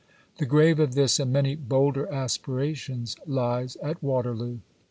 The grave of this and many bolder aspirations lies at Waterloo.